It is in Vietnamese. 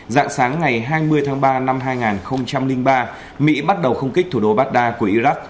dạng sáng ngày hai mươi tháng ba năm hai nghìn ba mỹ bắt đầu không kích thủ đô baghdad của iraq